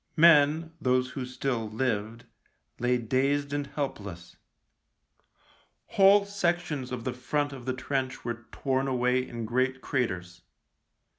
Men, those who still lived, lay dazed and help less. Whole sections of the front of the trench were torn away in great craters.